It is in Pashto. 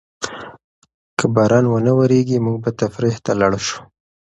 که باران ونه وریږي، موږ به تفریح ته لاړ شو.